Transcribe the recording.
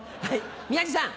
宮治さん。